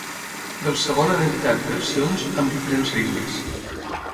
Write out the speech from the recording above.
Del segon han editat versions amb diferents ritmes.